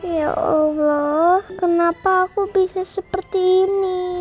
ya allah kenapa aku bisa seperti ini